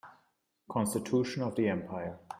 Constitution of the empire.